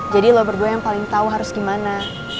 jadi lo berdua yang paling tau harus gimana